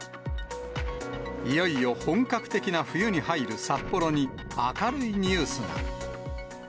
いよいよ本格的な冬に入る札幌に、明るいニュースが。